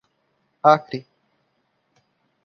Acre